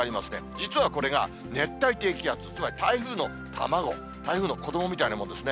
実はこれが熱帯低気圧、つまり台風の卵、台風の子どもみたいなものですね。